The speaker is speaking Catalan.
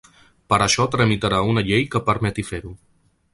Per això tramitarà una llei que permeti fer-ho.